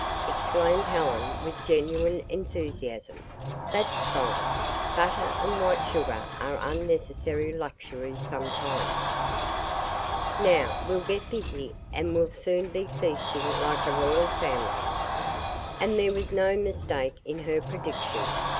exclaimed Helen with genuine enthusiasm. "That's fine! Butter and white sugar are unnecessary luxuries sometimes. Now we'll get busy and will soon be feasting like a royal family." And there was no mistake in her prediction.